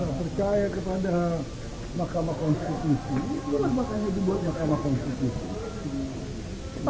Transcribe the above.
kalau menurut saya kepada mahkamah konstitusi itulah makanya dibuat mahkamah konstitusi